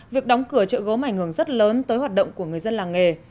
việc đóng cửa chợ gốm ảnh hưởng rất lớn tới hoạt động của người dân làng nghề